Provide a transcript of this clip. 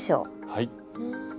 はい。